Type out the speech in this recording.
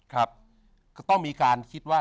ก็ต้องมีการคิดว่า